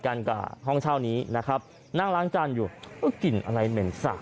กันกับห้องเช่านี้นะครับนั่งล้างจานอยู่ก็กลิ่นอะไรเหม็นสระ